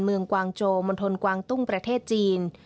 เมืองกวางโจมนตนกวางตุ้งประเทศจีน